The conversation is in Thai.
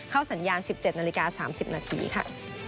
สัญญาณ๑๗นาฬิกา๓๐นาทีค่ะ